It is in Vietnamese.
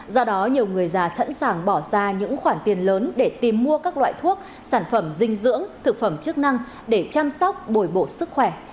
do đó nhiều người già sẵn sàng bỏ ra những khoản tiền lớn để tìm mua các loại thuốc sản phẩm dinh dưỡng thực phẩm chức năng để chăm sóc bồi bộ sức khỏe